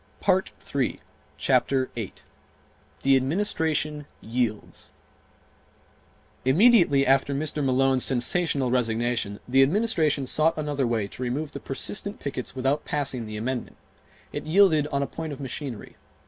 Chapter 8 The Administration Yields Immediately after Mr. Malone's sensational resignation the Administration sought another way to remove the persistent pickets without passing the amendment. It yielded on a point of machinery.